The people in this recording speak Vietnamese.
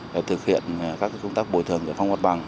để thực hiện các công tác bồi thường và phong bắt bằng